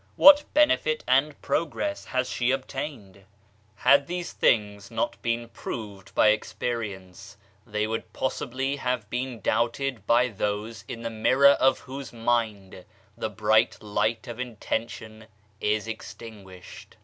What benefit and progress has she obtained? Had these things not been proved byj experience, they would possibly have been doubted by those in the mirror of whose mind the bright light of intention is extinguished.